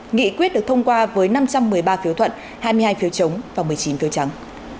nghị quyết được thông qua với năm trăm một mươi ba phiếu thuận hai mươi hai phiếu chống và một mươi chín phiếu trắng